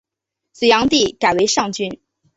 隋炀帝改为上郡。